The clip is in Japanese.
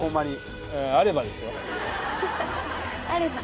あれば。